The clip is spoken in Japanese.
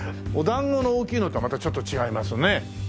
お団子の大きいのとはまたちょっと違いますよね。